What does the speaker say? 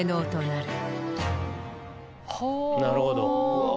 なるほど。